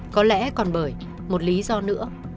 có lẽ còn bởi một lý do nữa